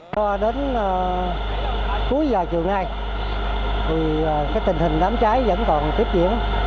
khoa đến cuối giờ trường này tình hình đám cháy vẫn còn tiếp diễn